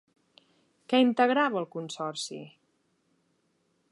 Què integrava el consorci?